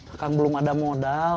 akang belum ada modal